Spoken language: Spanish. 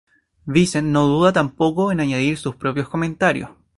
Vicent no duda tampoco en añadir sus propios comentarios.